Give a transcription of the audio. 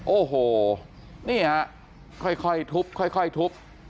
โอ้โหนี่ฮะค่อยทุบ